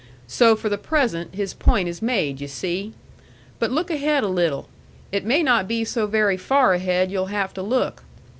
So for the present his point is made, yu' see. But look ahead a little. It may not be so very far ahead yu'll have to look.